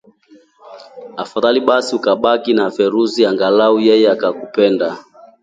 Afadhali basi ukabaki na Feruzi, angalau yeye anakupenda